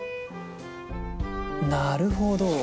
なるほど。